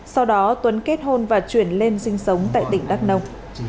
sau đó tuấn kết hôn và chuyển lên sinh sống tại tỉnh đắk nông